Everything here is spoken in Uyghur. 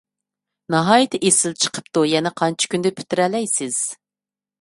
ناھايىتى ئېسىل چىقىپتۇ. يەنە قانچە كۈندە پۈتتۈرەلەيسىز؟